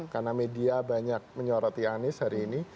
karena media banyak menyoroti anies hari ini